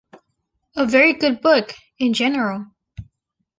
A very good book, in general.